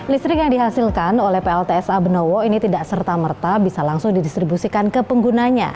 listrik yang dihasilkan oleh pltsa benowo ini tidak serta merta bisa langsung didistribusikan ke penggunanya